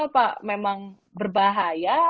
apa memang berbahaya